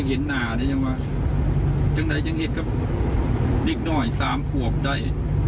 จึงไหนจึงเห็นครับริกหน่อยสามขวบใด